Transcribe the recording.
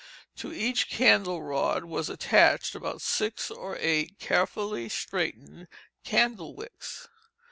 To each candle rod was attached about six or eight carefully straightened candle wicks.